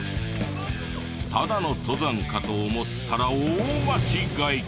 ただの登山かと思ったら大間違い。